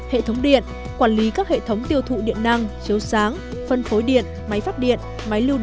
hệ thống điện quản lý các hệ thống tiêu thụ điện năng chiếu sáng phân phối điện máy phát điện máy lưu điện